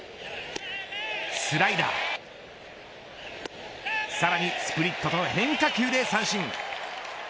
スライダーさらにスプリットと変化球で三振。